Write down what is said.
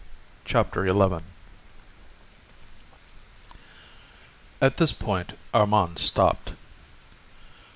Chapter XI At this point Armand stopped.